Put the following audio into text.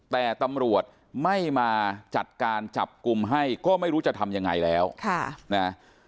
แต่ตำรวจไม่มาจัดการจับกลุ่มให้ก็ไม่รู้จะทำยังไงแล้วนะ